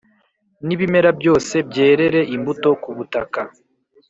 n’ibimera byose byerere imbuto ku butaka